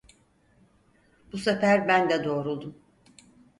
Bu sefer ben de doğruldum.